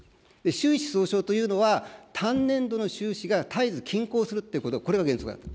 収支相償というのは、単年度の収支が絶えず均衡するということ、これが原則だと。